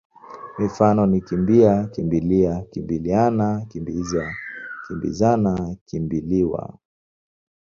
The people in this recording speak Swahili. Mifano ni kimbi-a, kimbi-lia, kimbili-ana, kimbi-za, kimbi-zana, kimbi-liwa.